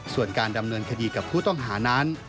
ส่วนการดำเนินคดีกับผู้ต้องหานั้น